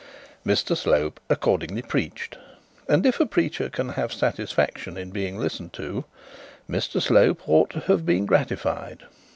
Mr Slope accordingly preached, and if a preacher can have satisfaction in being listened to, Mr Slope ought to have been gratified.